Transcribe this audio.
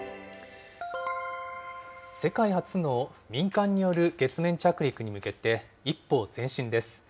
世界初の民間による月面着陸に向けて、一歩前進です。